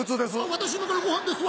私今からごはんですわ。